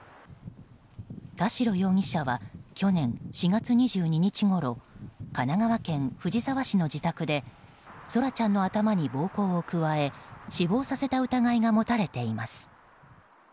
田代容疑者は去年４月２２日ごろ神奈川県藤沢市の自宅で空来ちゃんの頭に暴行を加え死亡させた疑いが持たれています。